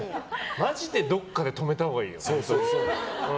まじでどこかで止めたほうがいいよ。